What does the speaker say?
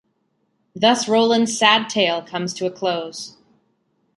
Thus Roland's sad tale comes to a close.